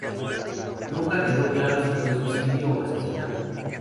Nunca quedó claro si fue suicidio o asesinato.